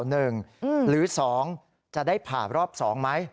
หนึ่งหรือสองจะได้ผ่ารอบสองไหม